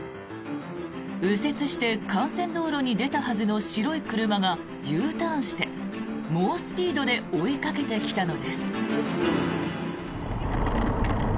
右折して幹線道路に出たはずの白い車がＵターンして、猛スピードで追いかけてきたのです。